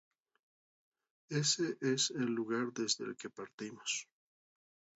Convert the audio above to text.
Ese es el lugar desde el que partimos.